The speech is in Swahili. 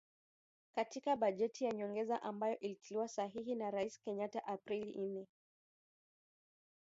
Katika bajeti ya nyongeza ambayo ilitiwa sahihi na Rais Kenyatta Aprili nne.